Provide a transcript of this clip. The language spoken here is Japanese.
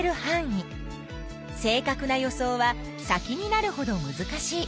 正かくな予想は先になるほどむずかしい。